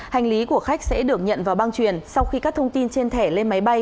hành lý của khách sẽ được nhận vào băng truyền sau khi các thông tin trên thẻ lên máy bay